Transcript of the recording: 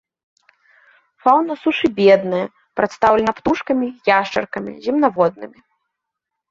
Фаўна сушы бедная, прадстаўлена птушкамі, яшчаркамі, земнаводнымі.